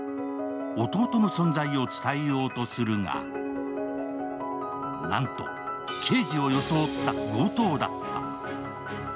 弟の存在を伝えようとするが、なんと刑事を装った強盗だった。